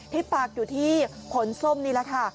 ปากอยู่ที่ขนส้มนี่แหละค่ะ